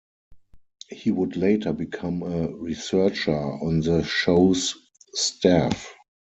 He would later become a researcher on the show's staff.